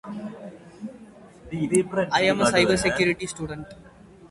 This experimental approach is known as reverse genetics.